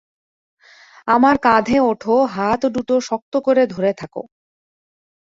আমার কাঁধে ওঠো, হাতদুটো শক্ত করে ধরে থাকো।